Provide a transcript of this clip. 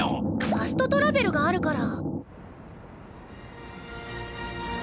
ファストトラベルがあるから。